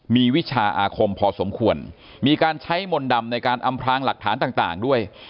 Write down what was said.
มีวิชาอาคมพอสมควรมีการใช้มนต์ดำในการอำพลางหลักฐานต่างด้วย